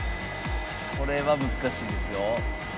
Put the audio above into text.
これは難しいですよ。